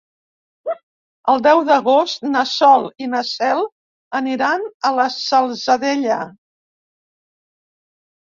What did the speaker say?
El deu d'agost na Sol i na Cel aniran a la Salzadella.